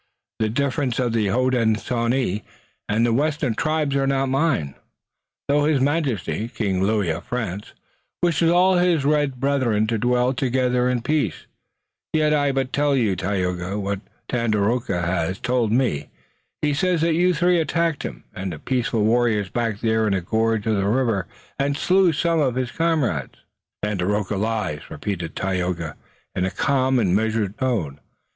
"The differences of the Hodenosaunee and the western tribes are not mine, though His Majesty, King Louis of France, wishes all his red brethren to dwell together in peace. Yet I but tell to you, Tayoga, what Tandakora has told to me. He says that you three attacked him and peaceful warriors back there in a gorge of the river, and slew some of his comrades." "Tandakora lies," repeated Tayoga in calm and measured tones.